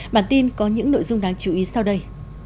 bản tin có những nội dung đáng chú ý sau đây